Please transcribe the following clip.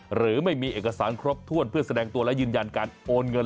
หรือไม่มีเอกสารครบถ้วนเพื่อแสดงตัวและยืนยันการโอนเงิน